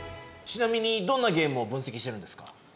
ちなみにどんなゲームを分析してるんですか？